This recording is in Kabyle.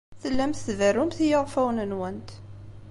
Tellamt tberrumt i yiɣfawen-nwent.